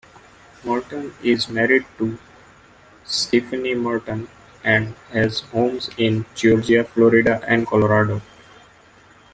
Murton is married to Stephanie Murton and has homes in Georgia, Florida, and Colorado.